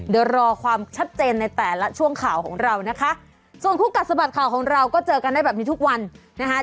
เดี๋ยวรอความชัดเจนในแต่ละช่วงข่าวของเรานะคะส่วนคู่กัดสะบัดข่าวของเราก็เจอกันได้แบบนี้ทุกวันนะคะ